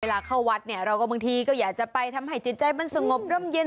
เข้าวัดเนี่ยเราก็บางทีก็อยากจะไปทำให้จิตใจมันสงบร่มเย็น